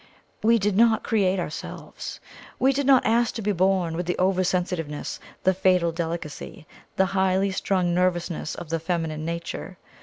We did not create ourselves. We did not ask to be born with the over sensitiveness, the fatal delicacy, the highly strung nervousness of the feminine nature.